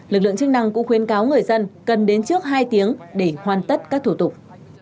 lực lượng chức năng cũng khuyên cáo người dân cần đến trước hai tiếng để hoàn tất các thủ tục